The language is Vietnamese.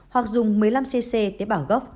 hoặc dùng một mươi năm cc tế bào gốc